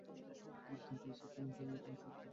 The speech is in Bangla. বর্তমান পরিস্থিতিতে অন্য চাকরি পাওয়া সত্যিই কঠিন।